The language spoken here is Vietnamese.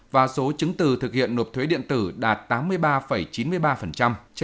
và số chứng từ thực hiện nộp thuế điện tử đạt tám mươi ba chín mươi ba